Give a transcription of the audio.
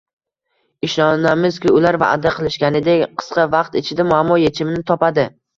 Ishonamizki, ular vaʼda qilishganidek, qisqa vaqt ichida muammo yechimini topadi.